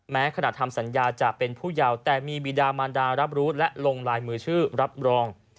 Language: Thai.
แม้ขณะทำสัญญาจะเป็นผู้ยาวแต่มีบีดามันดารับรู้และลงลายมือชื่อรับรอง